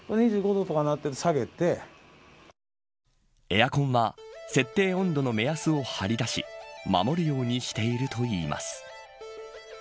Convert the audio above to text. エアコンは設定温度の目安を張り出し守ようにしているといいます。